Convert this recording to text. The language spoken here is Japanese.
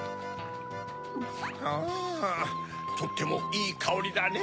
うんとってもいいかおりだねぇ